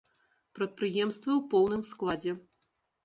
Прадпрыемствы ў поўным складзе.